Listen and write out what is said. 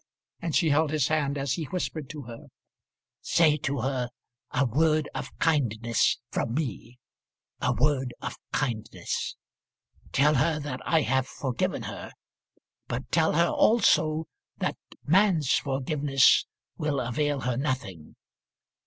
and she held his hand as he whispered to her. "Say to her a word of kindness from me; a word of kindness. Tell her that I have forgiven her, but tell her also that man's forgiveness will avail her nothing."